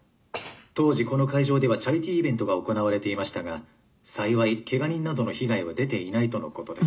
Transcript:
当時この会場ではチャリティーイベントが行われていましたが幸いケガ人などの被害は出ていないとのことです。